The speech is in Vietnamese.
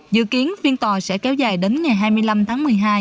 dự kiến phiên tòa sẽ kéo dài đến ngày hai mươi năm tháng một mươi hai